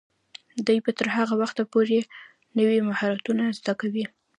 دوی به تر هغه وخته پورې نوي مهارتونه زده کوي.